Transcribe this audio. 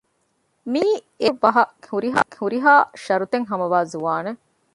މީ އެދެއަކުރުގެ ބަހަށް ހުރިހާ ޝަރުތެއް ހަމަވާ ޒުވާނެއް